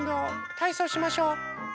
たいそうしましょう。